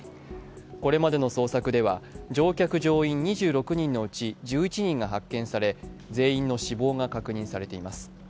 これまでの捜索では乗客・乗員２６人のうち１１人が発見され全員の死亡が確認されています。